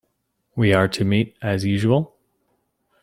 We are to meet as usual?